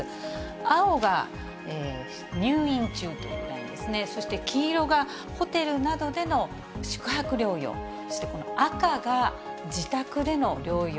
青が入院中というラインですね、そして、黄色がホテルなどでの宿泊療養、そしてこの赤が自宅での療養。